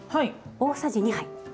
大さじ２杯。